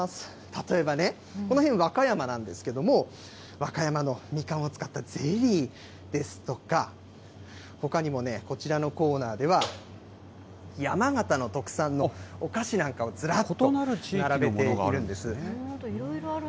例えばね、この辺、和歌山なんですけれども、和歌山のみかんを使ったゼリーですとか、ほかにもね、こちらのコーナーでは、山形の特産のお菓子なんかをずらっと並べているんです。